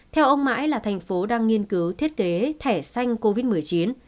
theo ông mãi là thành phố đang nghiên cứu thiết kế thẻ xanh covid một mươi chín